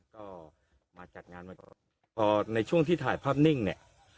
ก็มาจัดงานวันก่อนพอในช่วงที่ถ่ายภาพนิ่งเนี่ย